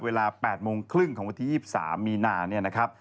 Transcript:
เวลา๘โมงครึ่งของวันที่๒๓มีนาเนี่ยนะครับ